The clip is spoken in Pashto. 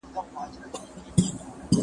که راپور وي نو پرمختګ نه پټیږي.